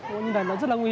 như vậy nó rất là nguy hiểm